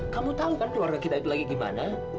kamu tahu kan keluarga kita itu lagi gimana